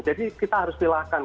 jadi kita harus pilihkan